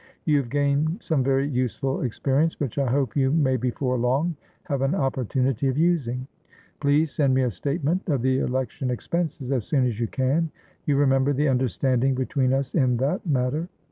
"You have gained some very useful experience, which I hope you may before long have an opportunity of using. Please send me a statement of the election expenses as soon as you can; you remember the understanding between us in that matter.